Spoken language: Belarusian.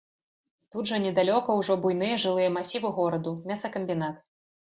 Тут жа недалёка ўжо буйныя жылыя масівы гораду, мясакамбінат.